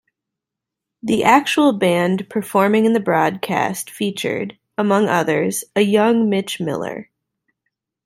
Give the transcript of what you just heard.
The actual band performing in the broadcast featured, among others, a young Mitch Miller.